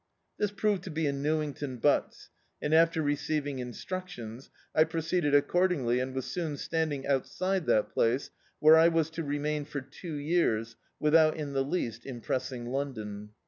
This proved to be in Ncwington Butts and, after receiving instructions, I proceeded accordingly, and was soon standing outside that place, where I was to remain for two years, without in the least im pressing London.